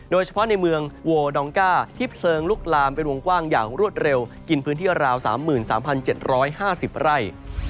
โดยเฉพาะในเมืองโวดองก้าที่เพลิงลุกลามเป็นวงกว้างอย่างรวดเร็วกินพื้นที่ราว๓๓๗๕๐ไร่